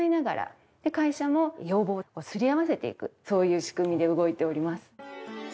そういう仕組みで動いております。